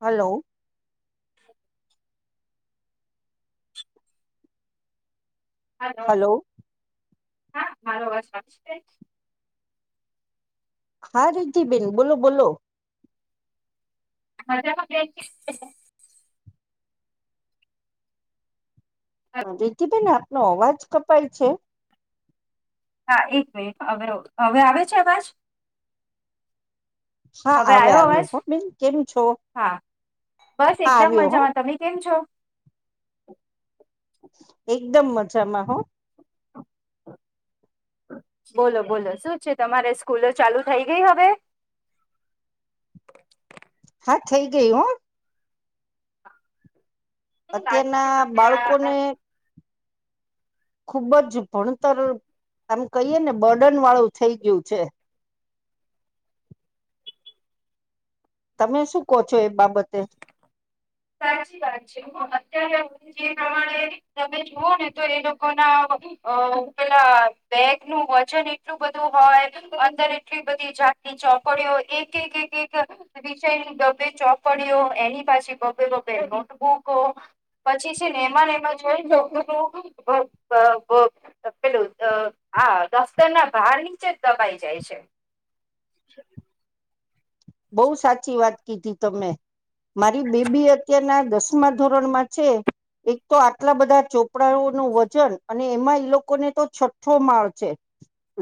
hello hello hello હા મારો વાવાજ છે હા રિ્ધિબેન બોલો બોલોલો [unintelligible] હ જોી જ પણ ના નો અવાજ કપાય છે હા એક મિનિટ હવે હવે આવે છે અવાજ હા હવે આવે આવ્યો અવાજ હ બે કેમું છો હા બસ હા એકદમ આવ્યો હ મજામાં તમે કેમ [inaudible] એકદમ મજામાં હો બોલો બોલો શું છે તમારે સ્કૂલો ચાલુ થઈ ગઈ હવે હા થઈ ગયું હ શું લાગે છે અત્યારના તમને આ બાળકોને ખુબ જ ભણતર એમ કહીએ ને બર્ડન વાળું થઈ ગયું છે તમે શું કહો છો એ બાબતે સાચી વાત છે અત્યારે જે પ્રમાણે તમે જુઓ ને તો એ લોકો ના પેલા બેગ નું વજન એટલું બધું હોય અંદર એટલી બધી જાતની ચોપડીઓ એક એક એક એક વિષયની ડબે ચોપડીઓ એની પાછી નોટબુકો પછી છે ને એમાંને એમાં જોઈ લોકોું પેલું હા દફતર ના બાર નીચે જ દબાઈ જાય છે બહુ સાચી વાત કીધી તમે મારી બેબી અત્યારના દસમા ધોરણમાં છે એક તો આટલા બધા ચોપડાઓ ન વજન અને એમાં એ લોકોને તો છઠ્ઠો માળ છે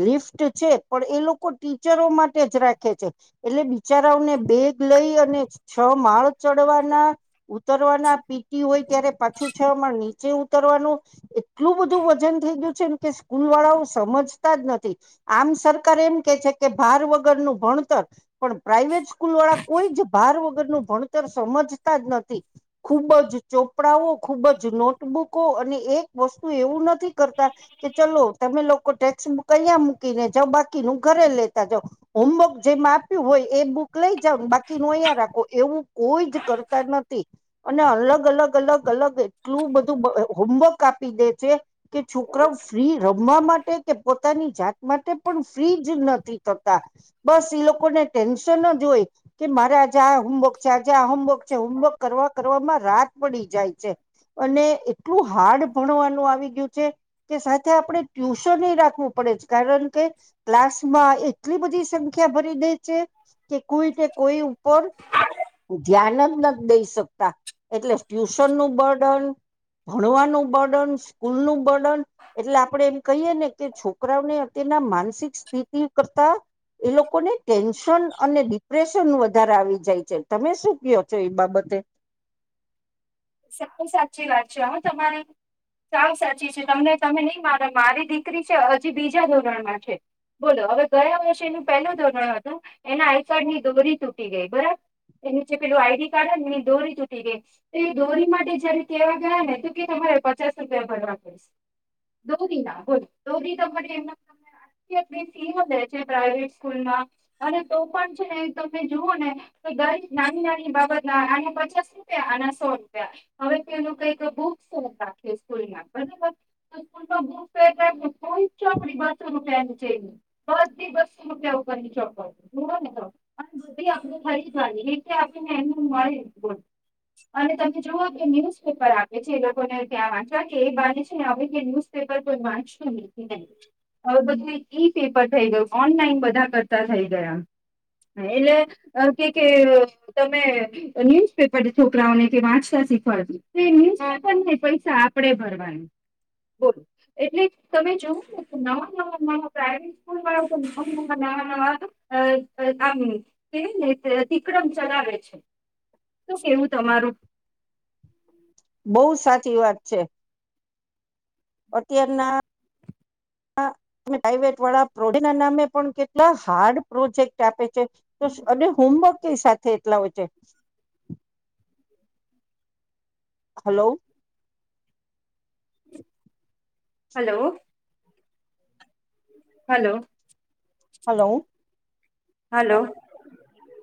લિફ્ટ છે પણ એ લોકો ટીચરો માટે જ રાખે છે એટલે બચારાઓને બેગ લઈ અને છ માળ ચડવાના ઉતરવાના પીતી હોય ત્યારે પાછું છ માળ નીચે ઉતરવાનું એટલું બધું વજન થઈ ગયું છે કે સ્કૂલ વાળાઓ સમજતા જ નથી આમ સરકાર એમ કે છે કે ભાર વગર નું ભણતર પણ પ્રાઈવેટ સ્કૂલ વાળા કોઈ જ ભાર વગરનુંું ભણતર સમજતા જ નથી ખૂબ જ ચોપડાઓ ખુબ જ નોટબુકો અને એક વસ્તુ એવું નથી કરતા કે ચલો તમે લોકો ટેક્સબુક કહીયા મૂકીને જ બાકીનું ઘરે લેતા જાવ હોમવર્ક જેમ આપ હોય એ બુક લઈ જાવને બાકી નો અહીયા રાખો એવું કોઈ જ કરતા નથી અને અલગ અલગ અલગ અલગ એટલું બધું હોમવર્ક આપ પીલે છે કે છોકરા ફ્રી રમ જમવા માટે કે પોતાની જાત માટે પણ ફ્રીજ નથી થતા બસ લોકો લોકોને ટેન્શન જ હોય કે મારા જ્યા હોમવર્ક છે જ્યા હોમવર્ક છે હોમવર્ક કરવા કરવામાં રાત પડી જાય અને એટલું હાર્ડ ભણવાનું આવી ગયું કે સાથે આપણે ટ્યુશન ન રાખવું પડે છે કારણ કે ક્લાસમાં એટલી બધી સંખ્યા ભરી દઈ કે કોઈને કોઈ ઉપર ધ્યાન જ નથી દઈ શકતા એટલે ટ્યુશન નું બર્ડન ભણવાનું બર્ડન સ્કૂલ નું બર્ડન એટલે આપડે એમ કહીએ ને કે છોકરાઓને અત્યના માનસિક સ્થિતિ કરતા એ લોકોને ટેન્શન અને ડિપ્રેશન વધારે આવી જાય છે તમે શું કયો છો એ બાબતે સાવ સાચી વાત છે હ તમારી સાવ સાચી છે તમને તમે નહી માર મારી દીકરી છે હજી બીજા ધોરણમાં છે બોલો હવે ગયા વર્ષે એનું પેલું ધોરણ હતું એના આઈ કાર્ડ ની દોરી તૂટી ગઈ બરાબર એનું જે પેલું આઈડી કાર્ડ એની દોરી તૂટી ગઈ એ દોરી માટે જયારે કવા ગયા ને તો કે તમારે પચાસ રૂપિયા ભરવા પડશ દોરી ના દોરી તમારે એમનાટલી ફી દે છે પ્રાઈવેટ સ્કૂલમાં અને તો પણ છે ને તમે જુઓ ને તો દરેક નાની નાની બાબત ના આને પચાસ રૂપિયા આના ો રૂપિયા હવે પ કઈક બુક ફેર રાખે સ્કૂલ ના બરાબર તો સ્કૂલ ન બુક ફેર રાખે કોઈ ચોપડી બસો રૂપિયા છેહી બધી બસો રૂપિયા ઉપરની ચોપડ બ ને તો બધી આપ ફરી જાય એલે આપને એ મળી બોલ અને તમે જુઓ કે ન્યુઝ પેપર આપે છે એ લોકોને ત્યાં વાંચવા કે એ બાની છે ને હવે કે ન્યુઝપેપર કોઈ વાંચતું નથી નહી હવે બધું ઈ પેપર થઈ ગયું ઓનલાઈન બધા કરતા થઈ ગયા એટલે કે તમે ન્યુઝપેપર છકરાઓ વાંચતા શીખવાડતી ન્યુેપને પૈસા આપડે ભરવાનું બોલો એટલે તમે જોવ ને ન ન પ્રવેટૂલ ન ન આમને તિક્રમ ચલાવે છે શ કેવું તમારું બહુ સાચી વાત છે અત્યારના પ્રાઈવેટ વાળા પ્રોજેક્ટ ના નામે પણ કેટલા હાર્ડ પ્રોજેક્ટ આપે છે તો અને હોમવર્ક ક સાથે એટલા હોય છે hello hello hello hello [inaudible] hello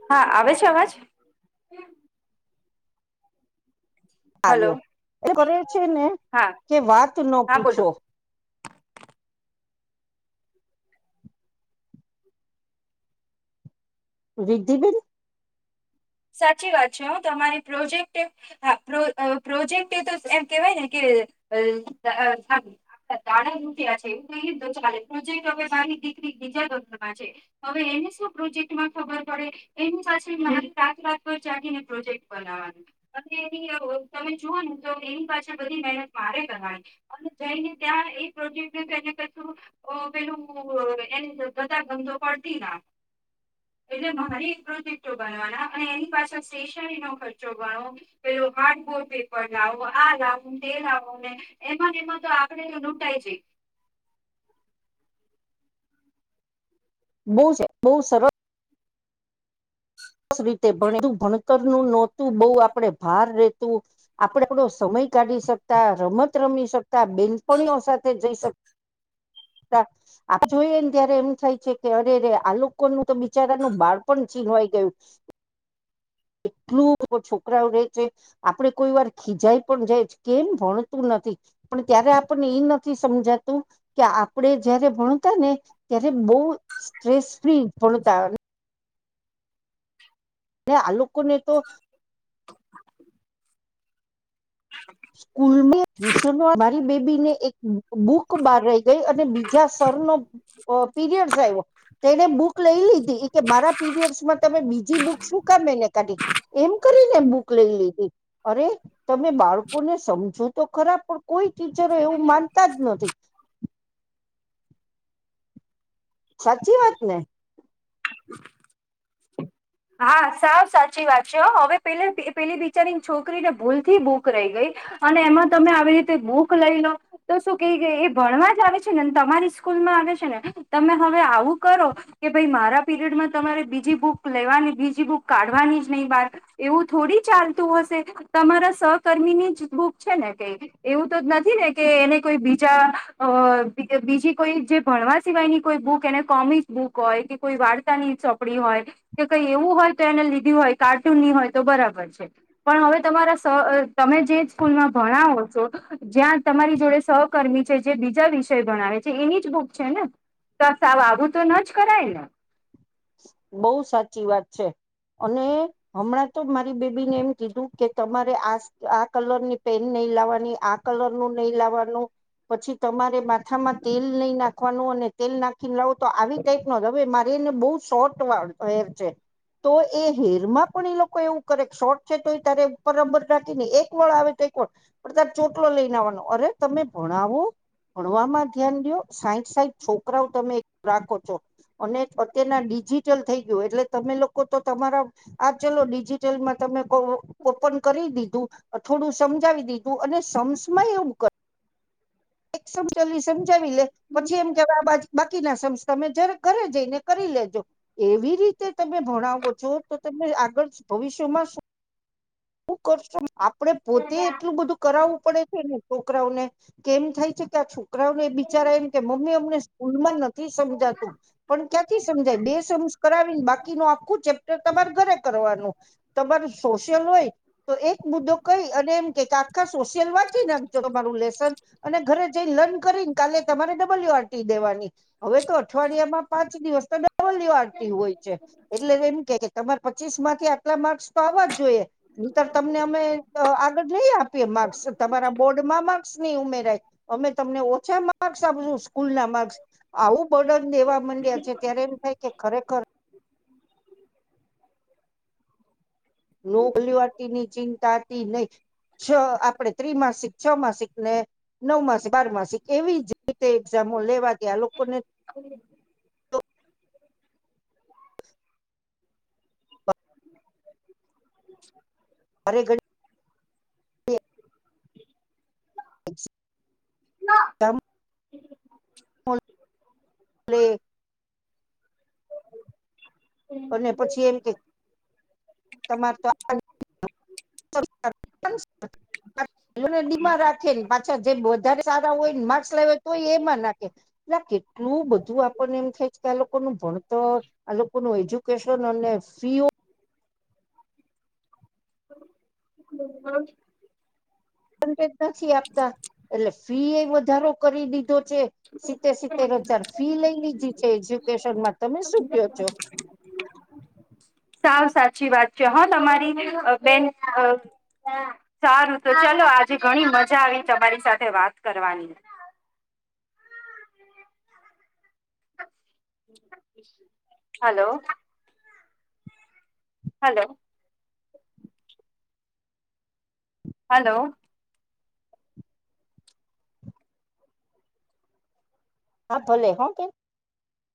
હા આવે છે અવાજ હલો આવ્યો એ કરે છે ને હા કે વાત ન હા બોલો પૂછો રિગધબલ સાચી વાત છે હ તમારે પ્રોજેક્ટ પ્રોજેક્ટ તો એમ કેવાય ને કે દાણા તૂટિયા છે એવું કહીને તો ચાલે પ્રોજેક્ટ હવે મારી દીકરી બીજા ધોરણમાં છે હવે એને શું પ્રોજેક્ટમાં ખબર પડે એની સાથે મારી સાત રાતભર ચાગીને પ્રોજેક્ટ બનાવવાનું અને એની તમે જુઓ ને તો એની પાસે બધી મહેનત મારે કરવાની અને જઈને ત્યાં એ પ્રોજેક્ટને કું પેલું એને ગતાા ગમતો પડતી ના એટલે મારે પ્રોજેક્ટો બનાવાના અને એની પાછ સ્ટેશનરી નો ખર્ચો ગણો પેલો હાર્ડબોર્ડ પેપર લાવો આ લાવો તે લાવો ને એમાંને એમાં તો આપડ તો લૂંટાઈ જઈ બહ બહુ સરળ સરસ રીતે ભું ભણતર નું નહોતું બહ આપડે ભાર રેતું આપડે આપડો સમય કાઢી શકતા રમત રમી શકતા તો બિલ પણઓ સાથે જઈ શકે આપ જોઈએ ને ત્યારે એમ થાય છે કે અરેરે આ લોકો ન તો બિચારાનું બાળ પણ છીનવાઈ ગયું એટલું છોકરાઓ રે છે આપડ કોઈ વાર ખીજાય પણ જાય કેમ ભણતું નથી પણ ત્યારે આપણને એ નથી સમજાતું કે આપણે જય્યારે ભણતા ને ત્યારે બહુ સ્ટ્રેસ ફ્રી ભણતા હ આલુ કોને તો ટ્યુશ મારી બેબીને એક બુક બાર રઈ ગઈ અને બીજા સર નો પીરિયડસ આવ્યો તેને બુક લઈ લીધી મારા પીરિયડસમાં તમે બીજી બુક શું કમેને કાઢી એમ કરીને બુક લઈ લીધી અરે તમે બાળ ને સમજો તો ખરાબ પણ કોઈ ટીચરો એવું માનતા જ નથી સાચી વાત ને હા સાવ સાચી વાત છે હવે પે પેલી બિચારીની છોકરીને ભૂલ થી બુક રહી ગઈ અને એમાં તમે આવી રીતે બુક લઈ લો તો શું કઈ ગય એ ભણવા જ આવે છે ને તમારી સ્કૂલ માં આવે છે ને તમે હવે આવું કરો કે ભાઈ મારા પીરિયડમાં તમારે બીજી બુક લેવાની બીજી બુક કાઢવાની જ નહી વાર એવું થોડી ચાલતું હશે તમારા સહકર્મી ની જ બુક છે ને કઈ એવું તો નથી ને કે એને કોઈ બીજા બીજી કોઈ જે ભણવા સિવાય ની કોઈ બુક એને કોમિક બુક હોય કે કોઈ વાર્તાની ચોપડી હોય કઈ એવું હોય તો એને લીધું હોય કાર્ટૂનની હોય તો બરાબર છે પણ હવે તમારા સ તમે જે સ્કૂલમાં ભણાવો છો જ્યાં તમારી જોડે સહકર્મી છે જે બીજા વિષય ભણાવે છે એની જ બુક છે ને તો સા આવબું તો ન જ કરાય ને બહુ સાચી વાત છે અને હમણાં તો મારી બેબીને એમ કીધું કે તમારે આ આ કલરની પેન નહી લાવવાની આ કલર નું નહી લાવવાનું પછી તમારે માથામાં તેલ નહી નાખવાનું અને તેલ નાખી લાવો તો આવી ટાઈપ નો હવે એને બહુ શોટ હેર છે તો એ હેરમાં પણ એ લોકો એવું કરે શોટ છે તો એ તારે ઉપરબર રાખી નને એક વાળ આવે તો એક વ પણ તારે ચોટલો લઈનેવાનો અરે તમે ભણાવો ભણવામાં ધ્યાન દો સાઠ સાઈઠ છોકરાઓ તમે રાખો છો અને અત્યારે ડિજિટલ થઈ ગયું એટલે તમે લોકો તો તમારા આ ચલો ડિજિટલમાં તમે ઓપન કરી દીધું થોડું સમજાવી દીધું અને સમસમાં એવું કર એકસો ચલીસ વી લે પછી એમ કેવાય આ બા બાકીના સમસ તમે જ્યારે ઘરે જઈને કરી લેજો એવી રીતે તમે ભણાવો છો તો તમે આગળ ભવિષ્યમાં શું હું કરશ આપડણે પોતે એટલું બધું કરાવવું પડે ને છોકરાઓને કેમ થાય છે ક્યા છું છોકરાઓ ને બિચારા એમ કે મમ્મી અમને સ્કૂલમાં નથી સમજાતું પણ ક્યાંથી સમજાય બે સમસ કરાવીને બાકીનું આખું ચેપ્ટર તમારે ઘરે કરવાનું તમાર સોશિયલ હોય તો એક મુદ્દો કઈ અને એમ કે કે આખા સોશિયલ વાંચી નાખજો તમારું લેસન અને ઘરે જઈ લર્ન કરી કાલે તમારે ડબલ્યુ આરટી દેવાની હવે તો અઠવાડિયા માં પાંચ દિવસ લ્ય આવતી હોય છે એટલે એમ કે તમારે પચીસ માંથી આટલા માર્ક્સ તો આવવા જ જોઈએ ર તમને અમે આગળ નઈ આપીએ માર્ક્સ તમારા બોર્ડ માં માર્ક્સ ની ઉમેરય અમે તમને અચ્છા માર્ક્સ આપ છું સ્કૂલ ના માર્ક્સ આવું બર્ડન દેવા માંડ્યા છે ત્યારે એમ થાય કે ખરેખર લની ચિંતા હતી નહી છ આપણે ત્રિમાસિક છ માસિક ને નવ માસિક બાર માસિક એવી જ રીતે એક્ઝામો લેવા ગયા લોકોને [inaudible] અરે ઘડી [inaudible] તમ પ્લે અને પછી એમ કે તમારે તો [inaudible] મા રાખેને પાછા જે વધારે સારા હોય ને માર્સ લાવ તો હોય એમાં નાખે એટ કેટલું બધું આપણને એમ થાય છે કે આ લોકો નું ભણતર આ લોકો ન હોય ને ફીઓ [inaudible] પણ નથી આપતા એટલે ફી એ વધારો કરી દીધી લઈ લીધી છે એજ્યુકેશનમાં તમે શું કયો છો સાવ સાત અચછી વાત છે હા તમારી બેન સારું તો ચલો આજે ઘણી મજા આવે તમારી સાથે વાત કરવાની હલો હલોો હલો હા ભોલે હો કે